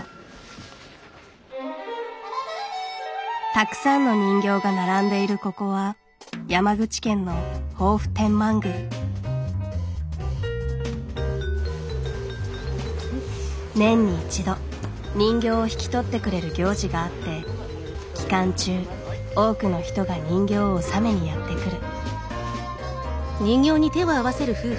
たくさんの人形が並んでいるここは山口県の年に一度人形を引き取ってくれる行事があって期間中多くの人が人形を納めにやって来る。